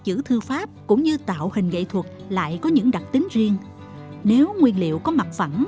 chữ thư pháp cũng như tạo hình nghệ thuật lại có những đặc tính riêng nếu nguyên liệu có mặt phẳng